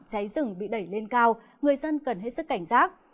cháy rừng bị đẩy lên cao người dân cần hết sức cảnh giác